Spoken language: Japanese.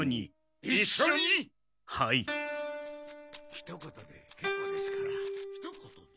・ひと言でけっこうですから。・ひと言で。